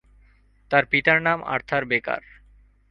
তার পিতার নাম আর্থার বেকার।